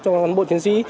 cho bộ chiến sĩ